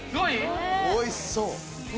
おいしそう。